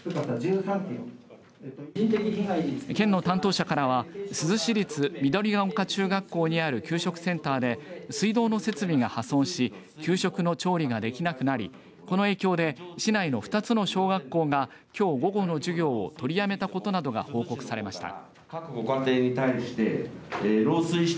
県の担当者からは珠洲市立緑丘中学校にある給食センターで水道の設備が破損し給食の調理ができなくなりこの影響で市内の２つの小学校がきょう午後の授業を取りやめたことなどが報告されました。